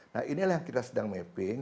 nah inilah yang kita sedang mapping